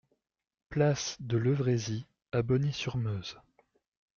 Place de Levrézy à Bogny-sur-Meuse